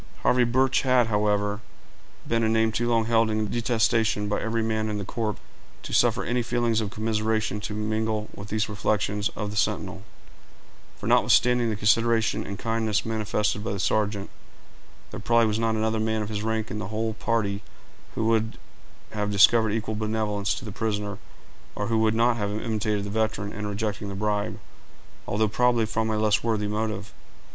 Harvey Birch had, however, been a name too long held in detestation by every man in the corps, to suffer any feelings of commiseration to mingle with these reflections of the sentinel; for, notwithstanding the consideration and kindness manifested by the sergeant, there probably was not another man of his rank in the whole party who would have discovered equal benevolence to the prisoner, or who would not have imitated the veteran in rejecting the bribe, although probably from a less worthy motive.